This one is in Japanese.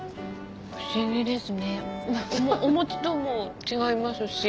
不思議ですねお餅とも違いますし。